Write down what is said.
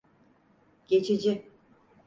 Geçici.